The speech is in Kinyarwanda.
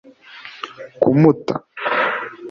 kumuta